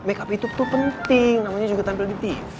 make up itu penting namanya juga tampil di tv